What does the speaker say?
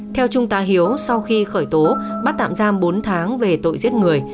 theo trung tá hiếu sau khi khởi tố bắt tạm giam bốn tháng về tội giết người